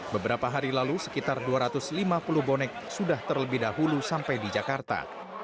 beberapa hari lalu sekitar dua ratus lima puluh bonek sudah terlebih dahulu sampai di jakarta